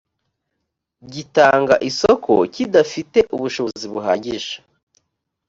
gitanga isoko kidafite ubushobozi buhagije